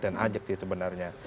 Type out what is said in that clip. dan ajak sih sebenarnya